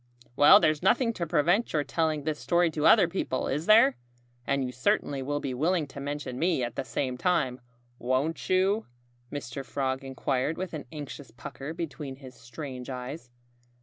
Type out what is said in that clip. "Well, there's nothing to prevent your telling this story to other people, is there? And you certainly will be willing to mention me at the same time, won't you?" Mr. Frog inquired with an anxious pucker between his strange eyes.